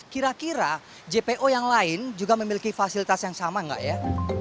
kira kira jpo yang lain juga memiliki fasilitas yang sama nggak ya